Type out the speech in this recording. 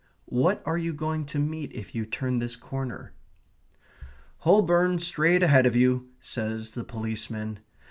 What are you going to meet if you turn this corner? "Holborn straight ahead of you," says the policeman.